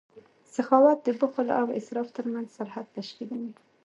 سخاوت د بخل او اسراف ترمنځ سرحد تشکیلوي.